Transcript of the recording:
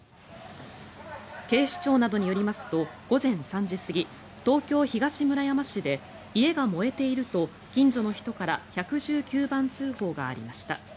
警視庁などによりますと午前３時過ぎ東京・東村山市で家が燃えていると近所の人から１１９番通報がありました。